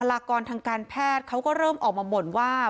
ลากรทางการแพทย์เขาก็เริ่มออกมาบ่นว่า